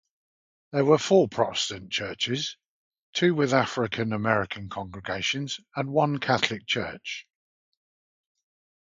There were four Protestant churches, two with African-American congregations, and one Catholic church.